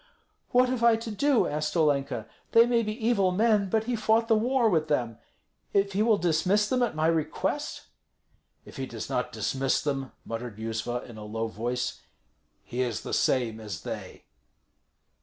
"What have I to do?" asked Olenka. "They may be evil men, but he fought the war with them. If he will dismiss them at my request?" "If he does not dismiss them," muttered Yuzva, in a low voice, "he is the same as they."